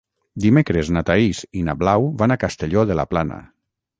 Dimecres na Thaís i na Blau van a Castelló de la Plana.